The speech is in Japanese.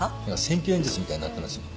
選挙演説みたいになってますよ。